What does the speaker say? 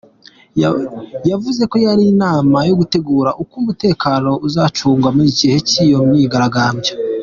Yavuze ko yari inama yo gutegura uko umutekano uzacungwa mu gihe cy’iyo myigaragambyo.